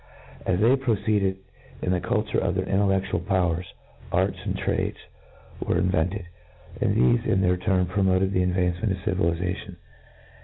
As they proceeded in tlje culture of their intelleftual powers, arts and trades were invented ; and thcfe, in their turn, promoted the advancement of civilization.